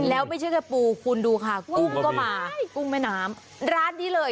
แล้วไม่ใช่แค่ปูคุณดูค่ะกุ้งก็มากุ้งแม่น้ำร้านนี้เลย